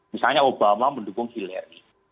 misalnya obama mendukung hillary